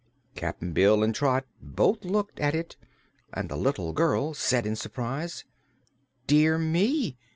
Cap'n Bill and Trot both looked at it and the little girl said in surprise: "Dear me!